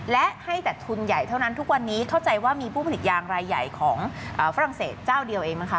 และให้แต่ทุนใหญ่เท่านั้นทุกวันนี้เข้าใจว่ามีผู้ผลิตยางรายใหญ่ของฝรั่งเศสเจ้าเดียวเองไหมคะ